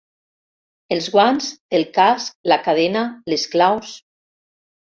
Els guants el casc la cadena les claus.